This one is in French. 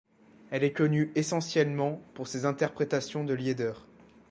Elle est connue essentiellement pour ses interprétations de Lieder.